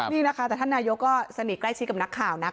นี่นะคะแต่ท่านนายกก็สนิทใกล้ชิดกับนักข่าวนะคะ